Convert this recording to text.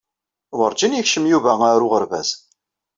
Werǧin yekcem Yuba ar uɣerbaz.